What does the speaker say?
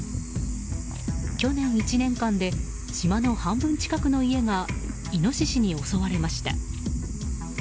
去年１年間で島の半分近くの家がイノシシに襲われました。